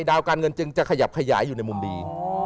ดาวการเงินจึงจะขยับขยายอยู่ในมุมดี